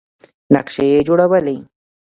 نقشې یې جوړولې.